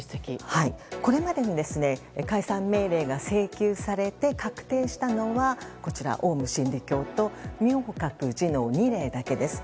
これまでに解散命令が請求されて確定したのはオウム真理教と明覚寺の２例だけです。